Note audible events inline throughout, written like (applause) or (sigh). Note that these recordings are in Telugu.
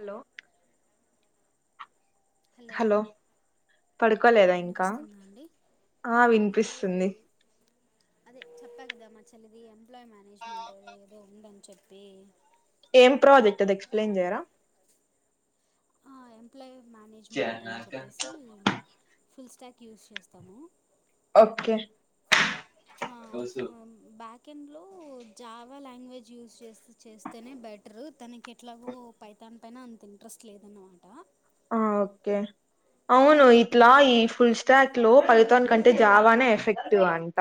హలో హలో ఆ పడుకోలేదా ఇంకా వినిపిస్తుందా అండి ఆ లేదు వినిపిస్తుంది అదే చెప్పా కదా మా చెల్లి ఇది ఎంప్లాయ్ మేనేజ్మెంట్ ఏదో ఉందని చెప్పి ఏం ప్రాజెక్ట్ అది ఎక్స్ప్లెయిన్ చేయరా ఆ ఎంప్లాయీ మేనేజ్మెంట్ అని చెప్పేసి ఫుల్ స్టాక్ యూస్ చేస్తాము ఓకే ఆ ఫోను బ్యాక్ సెకం లో జావా లాంగ్వేజ్ యూస్ చే చేస్తేనే బెటర్ తన ఇంక ఎట్లాగూ పైతాన్ పైన అంత ఇంట్రెస్ట్ లేద అన్నమాట ఆ ఓకే అవును ఇట్లా ఈ ఫుల్ స్టాక్ లో ప మొత్తాని కంటే జావానే ఎఫెక్ట్వ అంట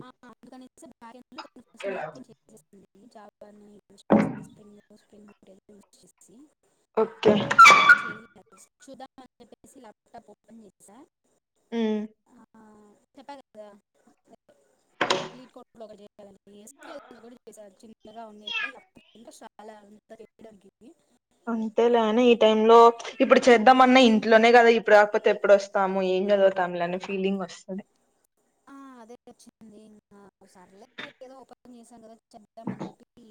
హ అందుకనే (unintelligible) చెక్ చేసింది జాపాన్ యూస్ చేసి స్పంగ్ స్ప్రింగ్ యూస్ చేసి ఓకే ఇంకా వెరిఫై చేయలేదు చూదాం అని చెప్పేసి ల్యాప్టాప్ ఓపెన్ చేశా ఉమ్ చెప్పా కదా మళ్ళీ ఇటు కొ ఒకయాల చిన్నగా ఉనిది అలా నెంబర్ ఇవ్వడమేంటి అంతేలేని ఈ టై లో ఇప్పుడు చేద్దామన్నా ఇంట్లోనే మ్మ్. కదా ఇప్పుడు కాకపోతే ఎప్పుడు వస్తాము ఏం చదివ తంలనే ఫీలింగ్ వస్తది ఆ అదే వచ్చింది ఇంకా సర్లే ఏదో ఓపెన్న్ చేసాం కదా చెద్దాంమని చెప్పి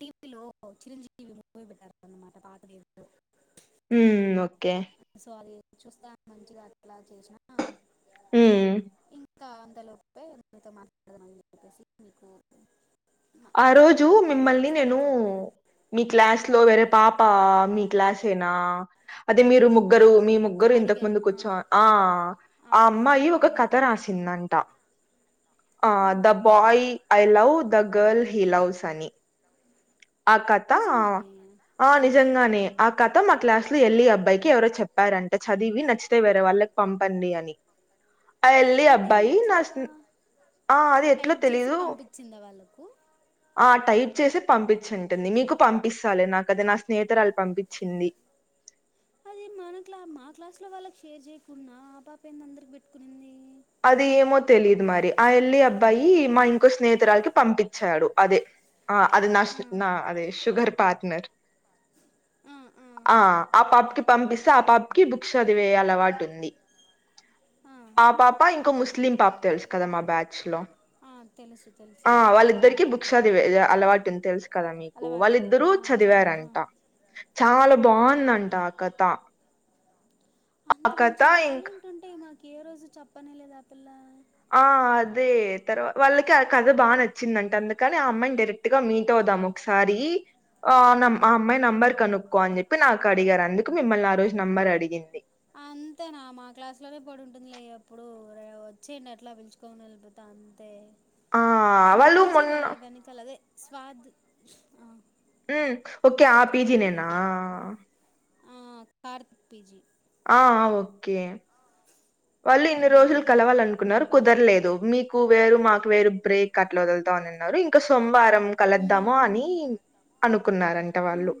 టీవీలో చిరంజీవి ఇ పోయి పెట్టారు అన్నమాట పా ఉ ఓకే సో అది చూస్తా మంచిగా అట్లా చేసినా ఉ ఇంకా అంతలోపే నీతో మాట్లాడదాని చెప్పేసి మీకు ఆ రోజు మీరు కాల్ మిమ్మల్ని చేస్తే నేను మాట్లాడుతున్నా మీ క్లాస్ లో వేరే పాప మీ క్లాస్ ఏనా అదే మీరు ముగ్గురు ఉమ్, మీ ముగ్గురు ఇంతకు ముందు కూర్చో ఆ ఆ అమ్మాయి ఒక కథ అడిగారు రాసిందీ అ టా ఆ, the boy I love the girl he loves అని ఆ కథ ఆ నిజంగానే ఆ నిజంగానే ఆ కథ కధ మా క్లాస్ లో ఆ, ఎల్లి అబ్బాయికి ఎవరో చెప్పారంటడి అ చదివి నచ్చితే వేరే వాళ్ళకి పంపండి అని అయల్లి అంటే అబ్బాయి నా ఎట్లా స్ ఆ అది ఎట్లో తెలీదు నువ్వు ఆ టైట్ చేసి పంపించ టుంది మీకు పంపిస్తాలి నాక అద నా స్నేహితురాలు పంపించింది చే చేయకుండా ఆ పాప ఏంది అందరికీ పెట్టుకునింది అది ఏమో తెలిదు మరి ఆ ఎల్లి అబ్బాయి మా ఇంకో స్నేహితురాలకి పంపించాడు అదే ఆ అది నా ఆ, నా అదే షుగర్ పార్ట్నర్ ఆ ఆ పాప్కి పంపిస్తే ఆ పాప్కి బుక్స్ చదివే అలవాటు ఉంది ఆ పాప్ ముస్లి పాప తెలుసు కదా మా బ్యాచ్ లో ఆ, తెలుసు ఆ తెలుసు వాళ్ళిద్దరి బు ది అలవాటుంది తెలుసు కదా మీకు అలవాటు ఉంది వాళ్ళిద్దరు ఆ, చదువు ఆ, చదివారంట చాలా ఆ. బాగుందంట ఆ కథ ఆ అంత కథ మంచి ఇంక టాలెంట్ ఉంటే మాకు ఏ రోజు చెప్పనేలేదు ఆ పిల్ల ఆ అదే తర్వా వాళ్ళకి ఆ కథ బాగా నచ్చిందంట అందుకని ఆ అమ్మాయిని డైరెక్ట్ గా మీ తో ద్ధం ఒకసారి ఆ ఆ అమ్మాయి నెంబర్ కనుక్కో అని చెప్పి నాకు అడిగారు అందుకు మిమ్మల్ని ఆ రోజు నంబర్ అడిగింది అంతేనా మా క్లాస్ లోనే పడింటుందిలే ఎప్పుడు వచ్చేయండి ఎట్లా పిలుచుకోని వెళ్ళిపోతా అంతే ఆ మన వాళ్ళు పీజీ మొన్న వె వెనకాల అదే స్వాద్ ఆ మ్ ఓకే ఆ పీజీ చెప్పండి నేనా ఆ కార్తిక్ పిజి ఆ ఆ ఓకే వాళ్ళు ఇన్ని రోజులు మ్మ్. కలవాలనుకున్నారు కుదరలేదు మీకు వేరు మాకు వేరు బ్రేక్ అట్లా వదులుతా అనిన్నారు ఇంకా సొమ్ వారం మ్మ్, కలద్దాము అని మ్మ్, అనుకున్నారంటా వాళ్ళు మ్మ్,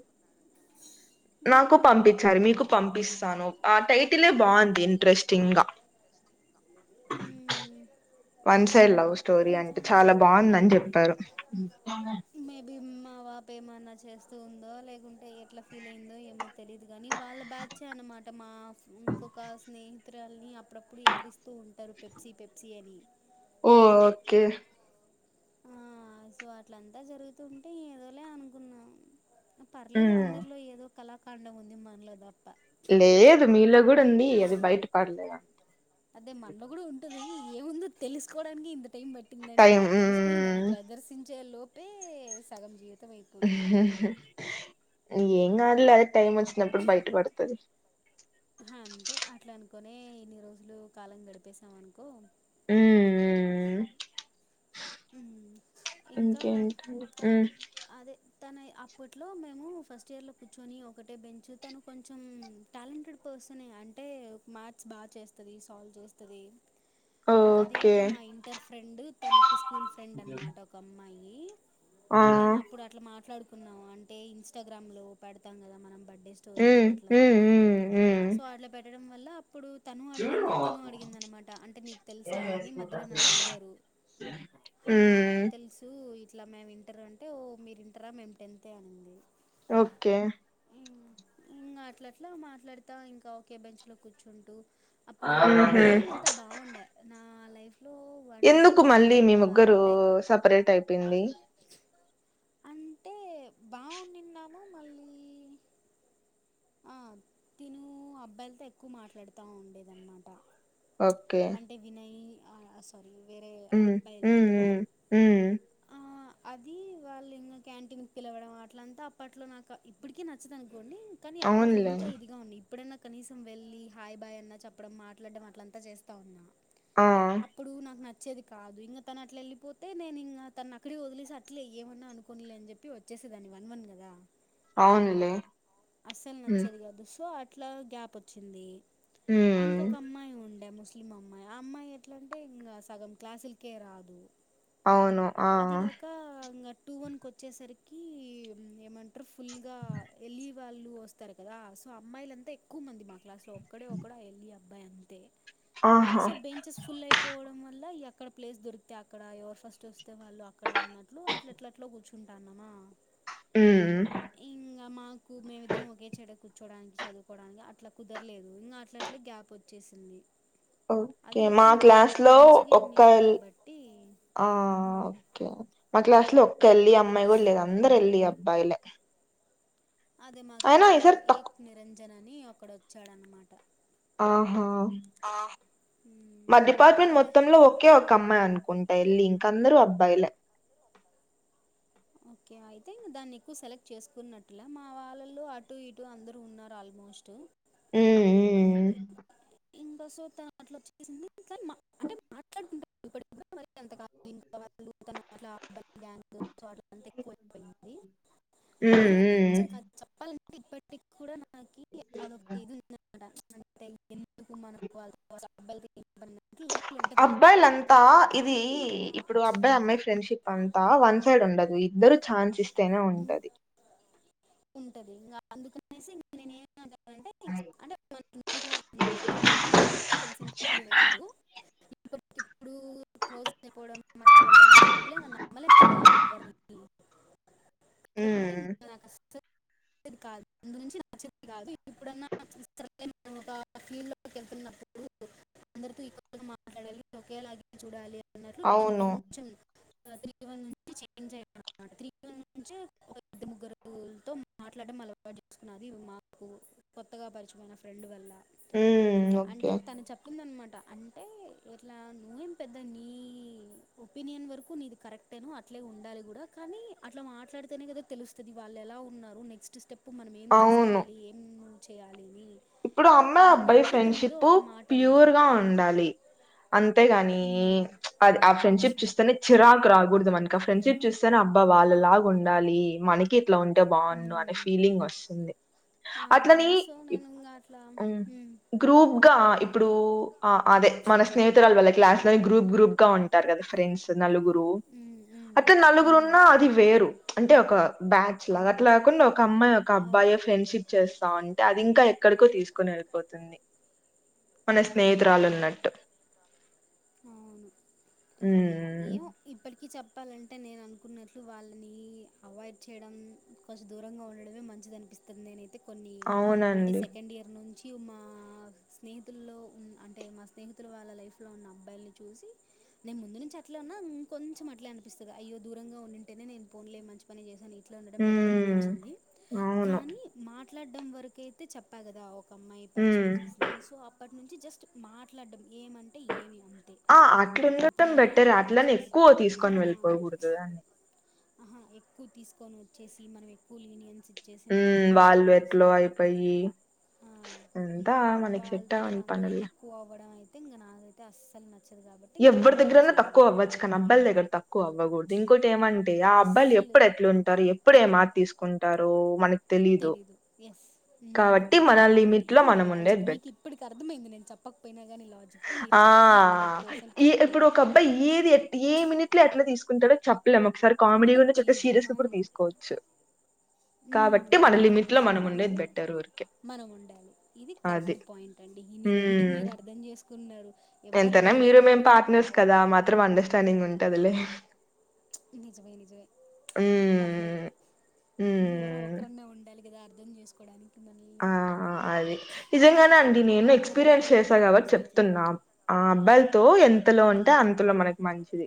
మ్హూ, నాకు పంపించారు మీకు పంపిస్తాను ఆ టైటిలే బాగుంది ఇంట్రెస్టింగ్ గా మ్మ్. వన్స్ సైడ్ లవ్ స్టోరీ అంట ఇంకా చాలా అంతే బాగుందని చెప్పారు ఆ పాప ఏమన్నా చేస్తూ ఉందో లేకుంటే ఎట్లా ఫీల్ అయిందో ఏమో తెలియదుగాని వాళ్ళ బ్యాచ్ అయినే మా అమాట మా ఇంకొక స్నేహితురాలన్నీ అప్పుడప్పుడు ఎక్కిరిస్తూ ఉంటారు పెప్సీ పెప్సీ అని ఓ ఓకే ఆ సో అట్లంతా జరుగుతుంటే ఏదోలే అనుకున్నాం పర్లేదు ఉమ్ అందరిలో ఏదో కళాకాండం ఉంది మనలోదప్ప లేదు మీలో కూడా ఉంది అది బయట పడలేదం అదే మనలో కూడా ఉంటది ఏముందో తెలుసుకోవడానికి ఇంత టైం బట్ పట్టిందంటే టైం అది తెలుసుకొని దాన్ని ప్రదర్శించే లోపే సగం జీవిత ఏం కాదులే అదే టైం వచ్చినప్పుడు బయట పడుతది అంతే అట్లానుకోనే ఇన్ని రోజులు కాలం గడిపేసాం అనుకో హ్మ్మ్ హ్మ్మ్ ఇంకా ఇంకేంటండి మ్ అదే తన అప్పట్లో మేము ఫస్ట్ ఇయర్ లో కూర్చొని ఒకటే బెంచ్ తను కొంచెం టాలెంటెడ్ పా ర్సన్ ఎ అంటే మ్యాథ్స్ బాగా చేస్తది సాల్వ్ చేస్తది ఇంకా ఓకే అదిగాక మా ఇంటర్ ఫ్రెండ్ తనకి స్కూల్ ఫ్రెండ్ అనమాట ఒక అమ్మాయి ఆ మేము అప్పుడు అట్లా మాట్లాడుకున్నాము అంటే ఇన్స్టాగ్రామ్ లో పెడుతాం కదా మనం బడ్ అే స్టోరీలు ఉమ్ ఉమ్ అట్లాంతా ఉమ్ ఉమ్ సో అట్లా పెట్టడం వల్ల అప్పుడు తను అడిగింది తిను అడిగిందన్నమాట అంటే నీకు తెలుసా అని మధ్యలో నన్ను అడిగారు హా ఉమ్ తెలుసు ఇట్లా మేము ఇంటర్ అంటే ఓ మీరు ఇంటరా మేము టెన్త్ే అనింది ఓకే మ్ ఇంగ అట్ల అట్లా మాట్లాడుతా ఇంకా ఒకే బెంచ్ లో కూర్చుంటూ అప్పుడు ఉహు వన్ వన్ అంతా బాగుండే నా లైఫ్లో వన్ టూ ఎందుకు టూ మళ్ళీ వన్ మీ ఆ ముగ్గురు రెండే సపరేట్ అయిపోయింది అంటే బాగునిన్నాము మళ్ళీ ఆ తిను అబ్బాయిలతో ఎక్కువ మాట్లాడుతా ఉండేదన్నమాట ఓకే అంటే వినయ్ ఆ సారీ వేరే ఉమ్ ఉమ్ అబ్బాయిలతో ఉమ్ ఉమ్ ఆ అది వాళ్ళు ఇంకా క్యాంటీన్ పిలవడం అట్లంతా అప్పట్లో నాకు ఇప్పటికే నచ్చదనుకోండి కానీ అప్పట్లో అవునులే ఇంకా ఇదిగా ఉన్ని ప్పుడన్న కనీసం వెళ్లి హాయ్ బాయ్ అన్నా చెప్పడం మాట్లాడడం అట్లంతా చేస్తా ఉన్నా ఆ అప్పుడు నాకు న వచ్చేది కాదు ఇంగ తను అట్ల వెళ్ళిపోతే నేను ఇంకా తన్నక్కడే వదిలేసి అట్లే ఏమన్నా అనుకోనిలే అని చెప్పి వచ్చేసే దాని వన్ వన్ కదా అవునులే అస్సలు ఉమ్ నచ్చేది కాదు సో అట్లా గ్యాప్ వచ్చింది ఉమ్ ఇంకొక అమ్మాయి ఉండే మ్ ముస్లిం అమ్మాయి ఆ అమ్మాయి ఎట్లంటే ఇంగ సగం క్లాసులకే రాదు అవును ఆ అదిగాక ఇంగ టూ వన్ కోచ్చేసరికి ఏమంటారు ఫుల్ గా ఎల్లి వాళ్ళు వస్తారు కదా సో అమ్మాయిలంతా ఎక్కువ మంది మా క్లాస్ లో ఒక్కడే ఒక్కడు ఆ ఏళ్ళి అబ్బాయి అంతే ఆహా సో బెంచెస్ ఫుల్ అయిపోవడం వల్ల ఎక్ అక్కడ ప్లేస్ దొరికితే అక్కడ ఎవరు ఫస్ట్ వస్తే వాళ్ళు అక్కడ అన్నట్లు అట్లాట్లట్లా కూర్చుంటాన్నమా మ్ మేమిద్దరం ఒకే చోట కూర్చోడానికి చదువుకోవడానికి అట్లా కుదరలేదు ఇంగ అట్లట్ల గ్యాప్ వచ్చేసింది అది ఓకే గక మా మేము అంత క్లాస్ లో మంచి గేం ఒక్క లేము ఎల్- కాబట్టి ఆ ఓక్కే మా క్లాస్ లో క్క ఎళ్ళి అమ్మాయి గుడ్ లేదు అందరు ఎళ్ళి అబ్బాయిలే అదే మా అయినా క్లాస్ లో ఈసారి ఏక్ తక్కు నిరంజన్ అని ఒక్కడ వచ్చాడనమాట ఆహా మా మ్మ్ డిపార్ట్మెంట్ ఏదోలే మొత్తంలో ఒకే ఒక అమ్మాయి అనుకుంటా ఎల్లి ఈ ఇంక అందరు అబ్బాయిలే ఓకే అయితే దాన్ని ఎక్కువ సెలెక్ట్ చేసుకున్నట్టులే మా వాళ్ళల్లో అటు ఇటు అందరు ఉన్నారు ఆల్మోస్ స్ట్ మ్ మ్ ఇంకా సో అట్లా వచ్చేసింది కని అంటే మాట్లాడుకుంటం ఇప్పటికి కుడా మరి అంత కాదు ఇంకా వాళ్ళు తాను అట్లా అబ్బాయిలతో గ్యాంగ్ సో అట్ల అంత ఎక్కువయిపోయింది ఉమ్ ఉమ్ ఎందుకో ఉమ్ నచ్చేది కాదు చెప్పాలం ఇప్పటికి కూడా నాకి అదొక ఇది ఉందన్నమాట అంటే ఎందుకు మన వాళ్ళతో సోపతి అబ్బాయిలంతా ఇది కానీ ఇప్పుడు అబ్బాయి అమ్మాయి ఫ్రిన్డ్షిప్ పంతా వన్ సైడ్ ఉండదు ఇద్దరు ఛాన్స్ ఇస్తేనే ఉంటది ఉంటది ఇంగ అందుకనేసి ఇంగ నినేమి అంటే మనకు ఎందుకు లే చిన్నప్పటి నుంచి తెలిసిందే అది వేరు ఇప్పుడు ఇప్పుడు క్లోజ్ అయిపోవడం మాట్లాడడం చెప్పలేం కదా నమ్మలేం కదా ఎవరిని కాబట్టి మ్ ఇంకా నాకు అస్సలు కాదు ముందు నుంచి నచ్చేది కాదు ఇప్పుడన్నా ఒక ఫీల్డ్ లోకి వెళ్తున్నప్పుడు అందరితో ఈక్వల్గా మాట్లాడాలి ఒకేలాగే చూడాలి అన్నట్లు నేను అవును. కొంచెం త్రీ వన్ నుంచి చేంజ్ అయ్యాను అనమాట త్రీ వన్ నుంచి ఒక ఇద్దరు ముగ్గురుతో మాట్లాడడం అలవాటు చేసుకున్నది మాకు కొత్తగా పరిచయమైన ఫ్రెండ్ వల్ల హ్మ్. ఓకే. అంటే తను చెప్పిందన్నమా అంటే ఇట్లా నువ్వేం పెద్ద నీ ఒపీనియన్ వరకు నీది కరెక్టేనో అట్లే ఉండాలి గూడా కానీ అట్లా మాట్లాడితేనే కదా తెలుస్తది వాళ్ళు ఎలా ఉన్నారు నెక్స్ట్ స్టెప్ మనం ఏం అవును. తీసుకోవాలి ఏం చేయాలి ఇవి ఇప్పుడు అమ్మాయి అబ్బాయి ఫ్రెండ్షిప్ మాట అనింది ప్యూర్ గా ఉండాలి అం తే గాని ఉమ్, అది ఆ ఫ్రెండ్షిప్ చూస్తేనే చిరా రాకూడదు మనకి ఆ ఫ్రెండ్షిప్ చూస్తేనే అబ్బా వాళ్ళలాగా ఉండాలి మనకి అట్లా ఉంటే బాగున్ను అనే ఉమ్, ఫీలింగ్ వస్తుంది ఆ, అట్లని ఇంగ సో నేను ఇంకా అట్లా ఊ ఉమ్, గ్రూప్ గా ఇప్పుడు ఆ అదే మన స్నేహితురాల ఉమ్, వల్ల క్లాస్ లో గ్రూప్ గ్రూప్ గా ఉంటారు గదా ఫ్రెండ్స్ నలుగురు ఉమ్, ఉమ్, అట్లా నలుగురు ఉమ్, ఉన్నా అది వేరు అంటే ఒక బ్యాచ్ లా అట్లా అవును కాకుండా ఒక అమ్మాయి ఒక అవును అబ్బాయి ఫ్రెండ్షిప్ చేస్తా అంటే అది ఇంకా ఏక్కడికో తీసుకుని వెళ్ళిపోతుంది మన ఉమ్, ఉమ్, స్నేహితురాలు ఉన్నట్టు అవును ఏమో ఉమ్మ్ ఇప్పటికీ చెప్పాలంటే నేను అనుకున్నట్లు వాళ్ళని అవాయిడ్ చేయడం కొంచెం దూరంగా ఉండడమే మంచిది అనిపిం స్తుంది నేనైతే కొన్ని అంటే అవునండి సెకండ్ ఇయర్ నుంచి మా స్నేహితుల్లో ఉ అంటే మా స్నేహితులు వాళ్ళ లైఫ్ లో ఉన్నా మల్ చూసి నేను ముందు నుంచి అట్లా ఉన్నా అట్లే అనిపిస్తుంది అయ్యో దూరంగా ఉంటేనే నేను పో లే మంచి పని చేసాను ఉండడం బెటర్ ఉమ్, అనిపించింది అవును కానీ మాట్లాడం వరకు అయితే చెప్పా గదా ఒక అమ్మాయి ఉమ్. పరిచయం చేసింది సో అప్పటి నుంచి జస్ట్ మాట్లాడం ఏమంటే ఏమి అ ఆ అట్లు ఉండటం బెటర్ అట్లని వచ్చేసి ఎక్కువ ఆ తీసుకొని వెళ్ళిపోకూడదు అని ఆహా ఎక్కువ తీసుకొని వచ్చేసి మనం ఎక్కువ లీనియన్స్ ఇచ్చేసి ఉ మనం అన్నీ వాళ్ళు ఎట్లో చెప్పేసి అయిపోయి ఆ అంతా మనకి సెట్ అవని పనులే తె ఇంగ్ నాకయితే అస్సలు నచ్చదు కాబట్టి ఇంక నేను ఎవ్వరి ఆ పని దగ్గరన్నా చెయ్యలేను తక్కువ్వచ్చు కానీ అబ్బాల దగ్గర తక్కువ్వగూడదు ఇంకోటి ఏమంట ఆ అబ్బాయిలు అస్సలు ఎప్పుడు ఎట్లు ఉంటారు ఎప్పుడే మాటా తీసుకుంటారు మనకి తెలీదు ఎస్ ఇది మన పాయింట్ లిమిట్ లో ఇది నా మనం ఉండేది లాజిక్ బెట్ మీకు ఇప్పటికి అర్థమైంది నేను చెప్ప చెప్పకపోయినా కానీ లాజిక్ మీరు చెప్పింది హండ్రెడ్ పర్సెంట్ ఏ కరెక్ట్ ఇప్పుడు ఒక అబ్బాయి ఇడియట్ ఏ మినిట్ లో ఎట్లా తీసుకుంటాడో చెప్ప పేల్లం ఒకసారి కామెడీ ఎందుకంటే గుంచి చక్క తెలీదు సీరియస్ లేకపోతే అవును తీసుకోవచ్చు హ్మ్. కాబట్టి మన లిమిట్ లో అందుకనేసి మనం ఉండేది మనది బెటరూ మనం ఉండాలి ఇది కరెక్ట్ పాయింట్ అండి ఇన్ని రోజటికి మీరు అర్థం చేసుకున్నారు ఎవ్వరు ఎంతనా లేరే మీరు మేం నేను పార్ట్నర్స్ ఆవొ కదా మాత్రం అండర్స్టాండింగ్ ఉంటదిలే నిజమే నిజమే పర్లేదు మ్మ్. ఎవరో మ్మ్. ఒకరిన్నా ఉండాలి కదా అ అర్ధం చేసుకోవడం ఆ అదే నిజంగానే అండి నేను అందరూ ఎక్స్పీరియన్స్ చేసా ఒకేలాగా కాబట్టి ఆలోచిస్తే ఎట్లా? చెప్తున్నా ఆ అబ్బాల్ త ఎంతలో ఉంటే హ్మ్. అంతలో మనకి మంచిది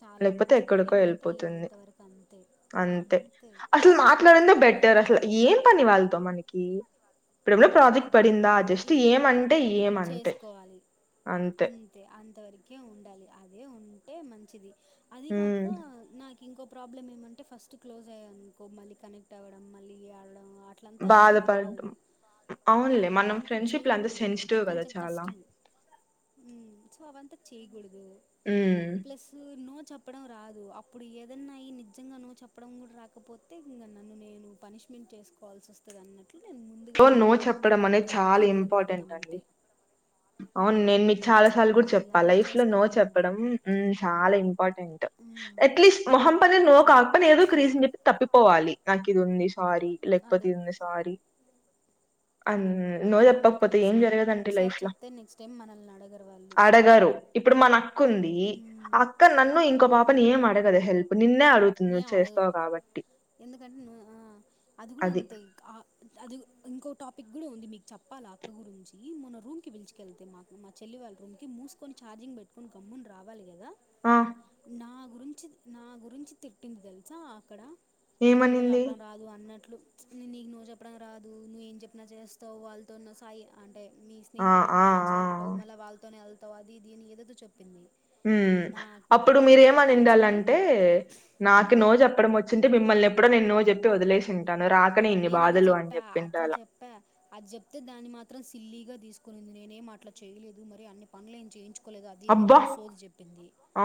చాలా లేకపోతే మంచిది ఎక్కడికో ఏమంటే వెళ్ళిపోతుంది ఏమంత వరకు అంతే అంతే త అది బెటర్ అసలు గాక ఏం పని వాళ్ళతో మనకి ఇప్పుడెప్పుడో ప్రాజెక్ట్ కదా పడిందా జస్ట్ ఇది ఏమంటే ఏమ అంటే చేసుకోవాలి. అంతే అంతవరకే ఉండాలి అదే ఉ అంటే మంచిది అది కాక ఉమ్ నా ఇంకో ప్రాబ్లమ్ ఏమంటే ఫస్ట్ క్లోజ్య్యినుకో మళ్ళీ కనెక్ట్ అవ్వడం మళ్ళీ ఏడవడం మాటలు అట్లంతా అంత రావు బాధపడడం ఆ అవునులే మనం అవంత ఫ్రెండ్షిప్లు అంతా చేయకూడదు సెన్సిటివ్ కదా కొంచెం చాలా కష్టం సో చేయకూడదు ఉమ్ ప్లస్ నో చెప్పడం రాదు అప్పుడు ఏదన్నాయి నిజంగా నో చెప్పడం కూడా రాకపోతే ఇంగ నన్ను నేను పనిష్మెంట్ చేసుకోవా ల్సోస్తదంన్నట్టు నో చెప్పడం అనేది చాలా దూరం ఇంపార్టెంట్ పెడతాం అండి అంతే అవును నేను మీ చాలా సార్ కూడా అది చెప్పా అలవాటు లైఫ్ లో నో చేసుకుంటున్నాండి చెప్పడం చాలా ఇంపార్టెంట్ ఉమ్. ఎట్లీస్ట్ అహం నో అదే కాకపోని ఏదో ఒక రీసన్ చెప్పి తప్పి పోవాలి నాకు ఇది ఉంది సారీ లేకపోతే అదే ఇది ఉంది సారీ అం అందుకనేసే అండి ఒకసారి చెప్తే నెక్స్ట్ టైం మనల్ని అడగరు వాళ్ళు అడగరు. ఇప్పుడు మన అక్క ఉంది మ్మ్. అక్క నన్ ఇంకో అవును పాపని ఏం అడగదా హెల్ప్ నిన్నే అడుగుతుంది నువ్ ఏం అడగదు చేస్తావు కాబట్టి ఎందుకంటే న్ ఆ అది కూడా అంతే ఆ అద్ అది ఇంకో టాపిక్ కూడా ఉంది మీకు చెప్పాలి అక్క గురించి మన రూమ్ కి పిలుచుకెళ్తే మా మా చెల్లి వాళ్ళ రూమ్ కి మూసుకొని ఛార్జింగ్ పెట్టుకోని గమ్మున రావాలి కదా ఆ! నా గురించి నా గురించి తిట్టింది తెలుసా అక్కడ అంటే నో ఏమనింది? చెప్పడం రాదన్నట్లు న నీకు నో చెప్పడంనికి రాదు నువ్వు ఏం చెప్పిన చేస్తావు వాళ్ళతోన్న సాయి అం అంటే మీ ఆ! స్నేహితురాలు ఆ! అంటే ఆ! నచ్చదంటవు మళ్ళ వాళ్తోనే వెళ్తవు అది ఇది అని ఏదో చెప్ మ్ అప్పుడు కోపం వచ్చింది మీరేమనిండాలంటే నాకు నో చెప్పడం వచ్చింటే మిమ్మల్ని ఎప్పుడో నో చెప్పి వదిలేసింది నేన అదే చెప్పా అట్లా చెప్పా అది చెప్తే దాన్ని మాత్రం సి ల్లీగా తీసుకునింది నేనేం అట్ల చేయలేదు మరి అన్ని పనులు ఏం చేయించు కోలేదు అది ఇది ఆని అబ్బా! ఏదో సోది చెప్పింది ఆ!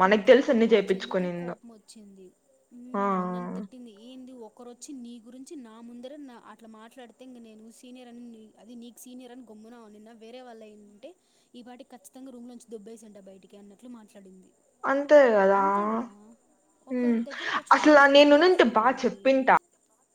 మనకు ఇంకా తెలుసు ఎన్ని మా చెల్లికే చేపిచ్చుకునిందో. కోపం వచ్చింది ఆ! మ్ నన్ను తిట్టింది ఏంది ఒ కరోచ్చి ని గురించి నా ముందర అట్లా మాట్లాడితే ఇంగ నేను సీనియర్ అని అది నీకు సీనియర్ అని గమ్మున ఉండిన వేరే వాళ్ళు అయిఉంటే ఈ పాటి కఖచ్చితంగా రూమ్ లో నుంచి దోబ్బేసుంట బయటికి అన్నట్లు మాట్లాడింది అంతే కదా అంతే కదా ఒకరి దగ్గరకు వచ్చినప్పుడు ఏమవసరం బా నికి చెప్పింట.